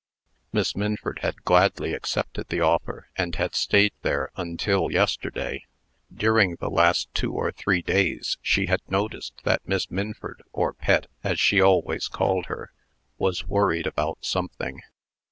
Miss Minford had gladly accepted the offer, and had stayed there until yesterday. During the last two or three days, she had noticed that Miss Minford, or Pet, as she always called her, was worried about something.